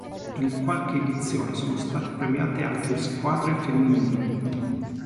In qualche edizione sono state premiate anche le squadre femminili.